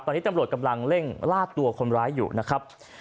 ตอนนี้ตำรวจกำลังเร่งลาดตัวคนร้ายอยู่นะครับ